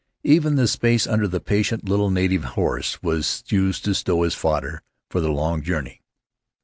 Even the space under the patient little native horse was used to stow his fodder for the long journey.